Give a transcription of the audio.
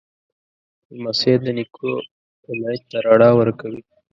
لمسی د نیکه امید ته رڼا ورکوي.